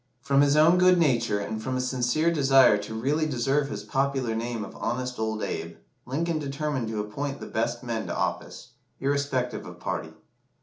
From his own good nature, and from a sincere desire to really deserve his popular name of Honest Old Abe, Lincoln determined to appoint the best men to office, irrespective of party.